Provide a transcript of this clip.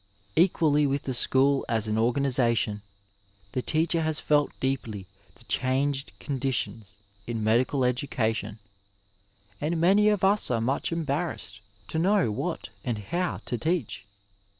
Equally with the school as an organization, the teacher has felt deeply the changed conditions in medical education, and many of us are much embarrassed to know what and how to teach.